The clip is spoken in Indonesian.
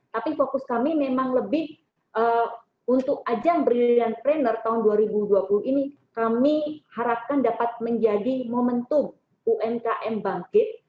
tapi fokus kami memang lebih untuk ajang brilliantpreneur tahun dua ribu dua puluh ini kami harapkan dapat menjadi momentum umkm bangkit